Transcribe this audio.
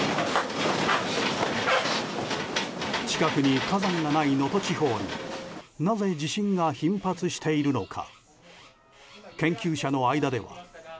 近くに火山がない能登地方になぜ地震が頻発しているのか。